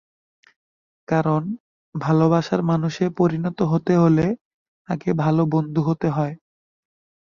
কারণ, ভালোবাসার মানুষে পরিণত হতে হলে আগে ভালো বন্ধু হতে হয়।